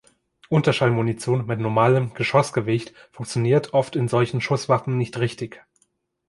Unterschallmunition mit normalem Geschossgewicht funktioniert oft in solchen Schusswaffen nicht richtig.